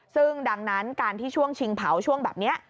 ซึ่งดังนั้นการที่ช่วงชิงเผาช่วงแบบนี้